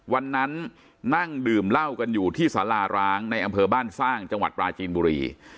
วันนั้นนั่งดื่มเหล้ากันอยู่ที่สาราร้างในอำเภอบ้านสร้างจังหวัดปราจีนบุรี